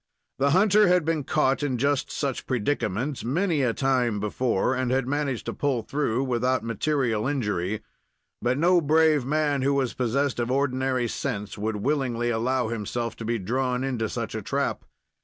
The hunter had been caught in just such predicaments many a time before, and had managed to pull through without material injury; but no brave man who was possessed of ordinary sense would willingly allow himself to be drawn into such a trap.